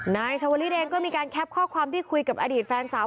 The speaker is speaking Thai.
นายชาวลิศเองก็มีการแคปข้อความที่คุยกับอดีตแฟนสาว